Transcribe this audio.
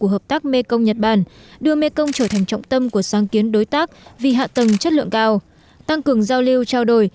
hợp tác mekong nhật bản đưa mekong trở thành trọng tâm của sáng kiến đối tác vì hạ tầng chất lượng cao tăng cường giao lưu trao đổi